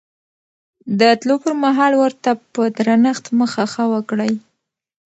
د تلو پر مهال ورته په درنښت مخه ښه وکړئ.